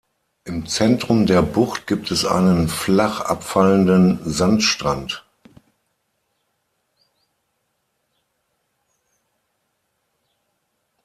Im Zentrum der Bucht gibt es einen flach abfallenden Sandstrand.